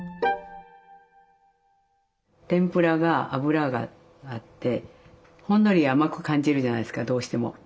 天ぷらが油があってほんのり甘く感じるじゃないですかどうしても。